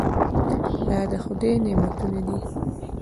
دا د خدای نعمتونه دي.